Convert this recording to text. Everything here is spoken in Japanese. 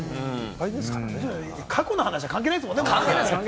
過去の話は関係ないですもんね。